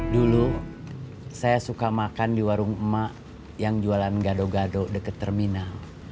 dulu saya suka makan di warung emak yang jualan gado gado dekat terminal